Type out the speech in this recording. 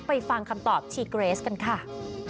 ฟังคำตอบชีเกรสกันค่ะ